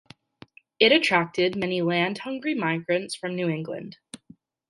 It attracted many land-hungry migrants from New England.